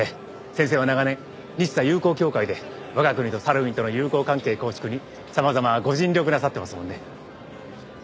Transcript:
先生は長年日サ友好協会で我が国とサルウィンとの友好関係構築に様々ご尽力なさってますもんね。